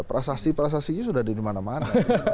prasasti prasastinya sudah ada dimana mana